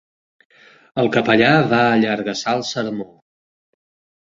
El capellà va allargassar el sermó.